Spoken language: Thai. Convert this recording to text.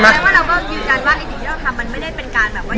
มาเรียกว่าเราก็คิดกันว่าอีกอย่างค่ะมันไม่ได้เป็นการแบบว่า